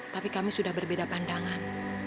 tapi kami sudah berbeda pandangan